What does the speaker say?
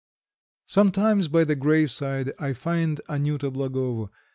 Sometimes, by the graveside, I find Anyuta Blagovo.